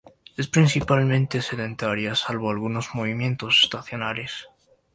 Es principalmente sedentaria, salvo algunos movimientos estacionales.